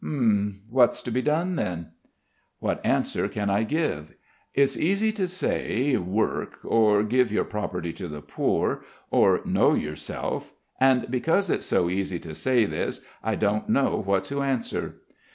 "H'm ... what's to be done then?" What answer can I give? It's easy to say "Work," or "Give your property to the poor," or "Know yourself," and because it's so easy to say this I don't know what to answer.